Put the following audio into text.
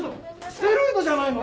ステロイドじゃないの？